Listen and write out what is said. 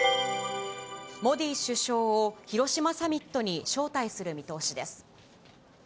モディ首相を広島サミットに招待する見通しです。